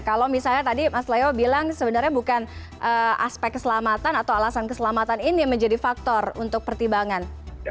kalau misalnya tadi mas leo bilang sebenarnya bukan aspek keselamatan atau alasan keselamatan ini menjadi faktor untuk pertimbangan